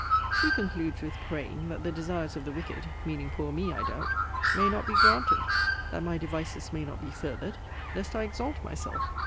She concludes with praying, that the desires of the wicked (meaning poor me, I doubt) may not be granted; that my devices may not be furthered, lest I exalt myself.